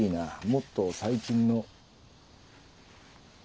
もっと最近の。